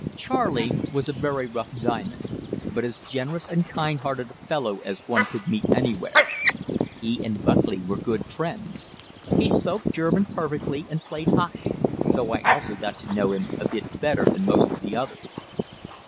"Charley" was a very rough diamond, but as generous and kind hearted a fellow as one could meet anywhere; he and Buckley were good friends. He spoke German perfectly and played hockey, so I also got to know him a bit better than most of the others.